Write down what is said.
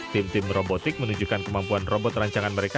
tim tim robotik menunjukkan kemampuan robot rancangan mereka